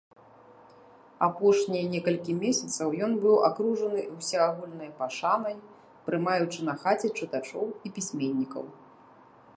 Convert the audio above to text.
Апошнія некалькі месяцаў ён быў акружаны ўсеагульнай пашанай, прымаючы на хаце чытачоў і пісьменнікаў.